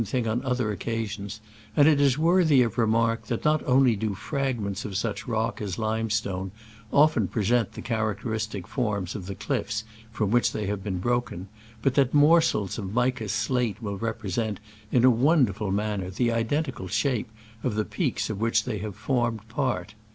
thing on other occasions, and it is worthy of remark that not only do fragments of such rock as limestone often present the characteristic forms of the cliffs from which they have been broken, but that morsels of mica slate will represent, in a wonderful manner, the identical shape of the peaks of which they have formed part.